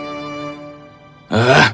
kau tidak bisa jauh